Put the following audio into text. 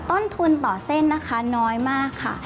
ต้นทุนต่อเส้นนะคะน้อยมากค่ะ